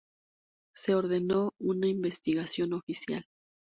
Se ordenó una investigación oficial.